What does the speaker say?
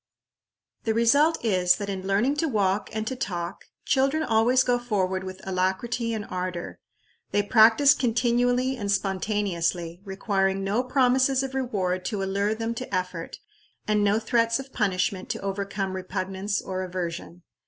The result is, that in learning to walk and to talk, children always go forward with alacrity and ardor. They practise continually and spontaneously, requiring no promises of reward to allure them to effort, and no threats of punishment to overcome repugnance or aversion.